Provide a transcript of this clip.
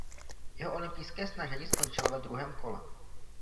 Jeho olympijské snažení skončilo ve druhém kole.